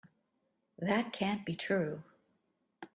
That can't be true.